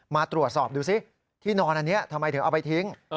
มาตรวจสอบดูซิที่นอนอันนี้ทำไมถึงเอาไปทิ้ง